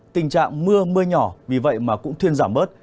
tình trạng mưa mưa nhỏ vì vậy mà cũng thuyên giảm bớt